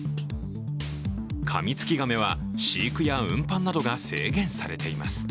カミツキガメは飼育や運搬などが制限されています。